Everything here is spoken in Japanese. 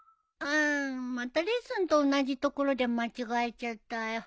うんまたレッスンと同じところで間違えちゃったよ。